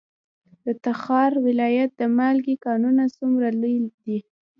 د تخار ولایت د مالګې کانونه څومره لوی دي؟